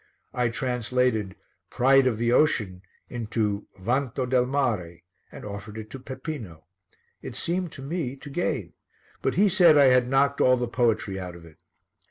I translated Pride of the Ocean into Vanto del Mare and offered it to Peppino; it seemed to me to gain, but he said I had knocked all the poetry out of it.